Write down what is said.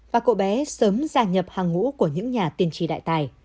và cậu bé sớm gia nhập hàng ngũ của những nhà tiên tri đại tài